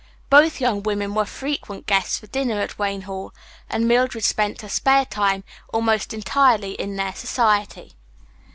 Both young women were frequent guests for dinner at Wayne Hall, and Mildred spent her spare time almost entirely in their society.